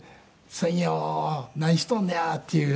「千よ何しとんねや」っていうようなね。